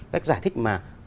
cách giải thích mà